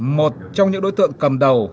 một trong những đối tượng cầm đầu